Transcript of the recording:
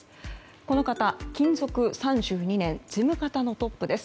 この方、勤続３２年事務方のトップです。